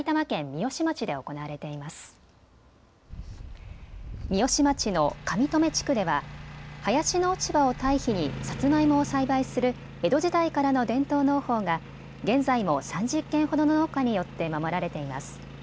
三芳町の上富地区では林の落ち葉を堆肥にさつまいもを栽培する江戸時代からの伝統農法が現在も３０軒ほどの農家によって守られています。